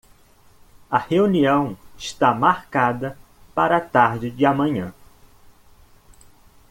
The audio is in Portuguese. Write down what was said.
A reunião está marcada para a tarde de amanhã.